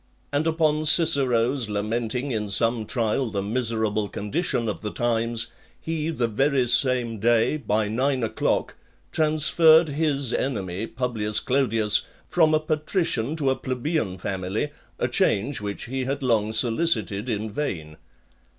And upon Cicero's lamenting in some trial the miserable condition of the times, he the very same day, by nine o'clock, transferred his enemy, Publius Clodius, from a patrician to a plebeian family; a change which he had long solicited in vain .